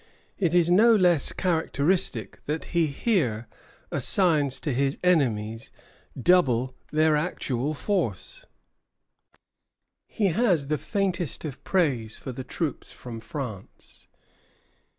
It is no less characteristic that he here assigns to his enemies double their actual force. Ibid., 6 Nov. 1756. He has the faintest of praise for the troops from France.